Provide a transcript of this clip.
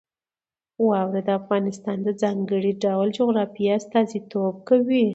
واوره د افغانستان د ځانګړي ډول جغرافیې استازیتوب کوي.